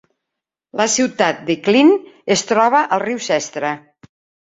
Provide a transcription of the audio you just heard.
La ciutat de Klin es troba al riu Sestra.